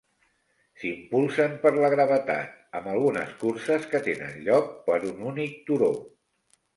S'impulsen per la gravetat, amb algunes curses que tenen lloc per un únic turó.